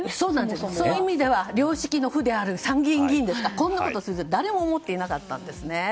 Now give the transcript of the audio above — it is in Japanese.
その意味では良識の府である参議院議員の人がこんなことをするとは誰も思っていなかったんですね。